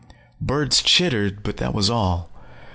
Birds chittered, but that was all.